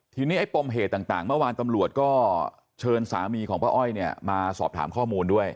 ทีนี้ไอ้ปมเหตุต่างเมื่อวานตำรวจก็เชิญสามีของป้าอ้อยเนี่ยมาสอบถามข้อมูลด้วย